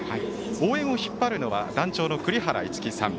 応援を引っ張るのは団長の栗原樹さん。